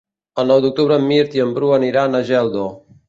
El nou d'octubre en Mirt i en Bru aniran a Geldo.